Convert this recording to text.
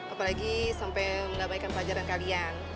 apalagi sampai menggabaikan pacaran kalian